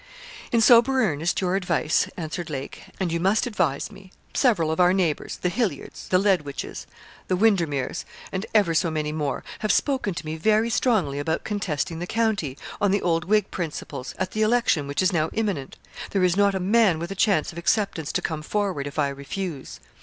In sober earnest, your advice,' answered Lake; 'and you must advise me. Several of our neighbours the Hillyards, the Ledwiches, the Wyndermeres, and ever so many more have spoken to me very strongly about contesting the county, on the old Whig principles, at the election which is now imminent. There is not a man with a chance of acceptance to come forward, if I refuse.